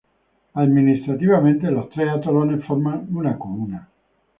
Administrativamente, los tres atolones forman una comuna.